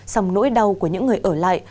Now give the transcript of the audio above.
xong nỗi đau của những người ở lại